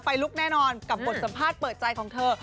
ลุกแน่นอนกับบทสัมภาษณ์เปิดใจของเธอ